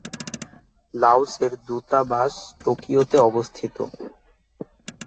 লাওসের দূতাবাস টোকিওতে অবস্থিত।